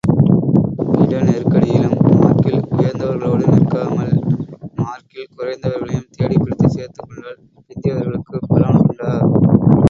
இட நெருக்கடியிலும் மார்க்கில் உயர்ந்தவர்களோடு நிற்காமல, மார்க்கில் குறைந்தவர்களையும் தேடிப் பிடித்துச் சேர்த்துக் கொண்டால், பிந்தியவர்களுக்குப் பலன் உண்டா?